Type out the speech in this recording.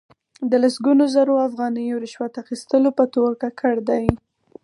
د لسګونو زرو افغانیو رشوت اخستلو په تور ککړ دي.